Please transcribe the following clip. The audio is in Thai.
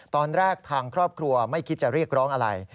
ตอนแรกทางครอบครัวไม่คิดจะเรียกร้องอะไร